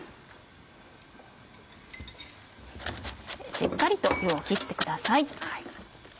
しっかりと湯を切ってください。